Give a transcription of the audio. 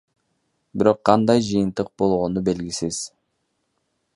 Бирок кандай жыйынтык болгону белгисиз.